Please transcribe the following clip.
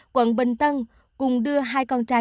quận bình tân cùng đưa hai con trai